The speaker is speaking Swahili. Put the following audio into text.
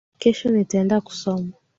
Kesho nitaenda kusoma